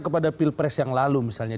kepada pilpres yang lalu misalnya